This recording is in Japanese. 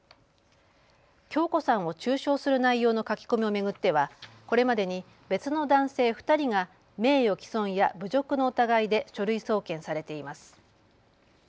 響子さんを中傷する内容の書き込みを巡っては、これまでに別の男性２人が名誉毀損や侮辱の疑いで書類送検されています。